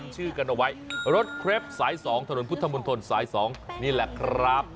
ชื่อกันเอาไว้รถเครปสาย๒ถนนพุทธมนตรสาย๒นี่แหละครับ